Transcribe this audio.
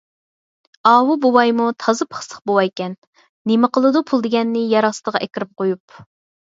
ئاۋۇ بوۋايمۇ تازا پىخسىق بوۋايكەن. نېمە قىلىدۇ پۇل دېگەننى يەر ئاستىغا ئەكىرىپ قويۇپ؟